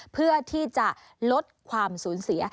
เพื่อที่จะลดความสูญเสีย